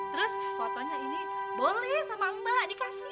terus fotonya ini boleh sama mbak dikasih